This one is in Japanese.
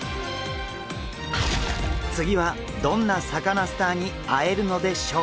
次はどんなサカナスターに会えるのでしょうか？